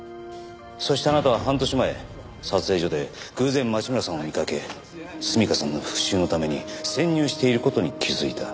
そしてあなたは半年前撮影所で偶然町村さんを見かけ純夏さんの復讐のために潜入している事に気づいた。